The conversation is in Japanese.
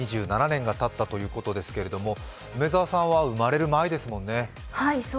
２７年がたったということですけれども、梅澤さんは生まれる前ですもんね。